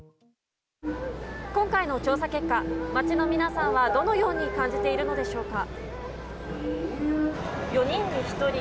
今回の調査結果、街の皆さんはどのように感じているのでしょうか。